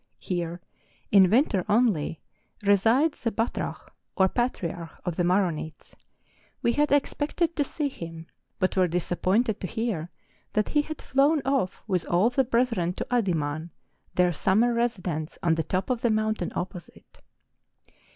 Here, in winter only, resides the Batrah, or Patriarch, of the Maronites: we had expected to see him, but were disappointed to hear that he had flown off with all the brethren to Adiman, their sum¬ mer residence on the top of the mountain opposite.